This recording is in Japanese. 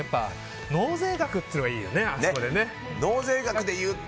納税額っていうのがいいよね。